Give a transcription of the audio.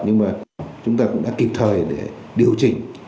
nhưng mà chúng ta cũng đã kịp thời để điều chỉnh